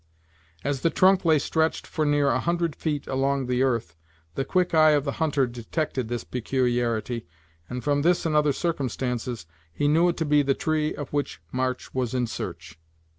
As the trunk lay stretched for near a hundred feet along the earth, the quick eye of the hunter detected this peculiarity, and from this and other circumstances, he knew it to be the tree of which March was in search.